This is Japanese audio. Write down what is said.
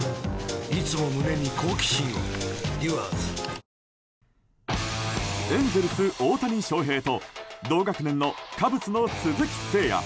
損保ジャパンエンゼルス、大谷翔平と同学年のカブスの鈴木誠也。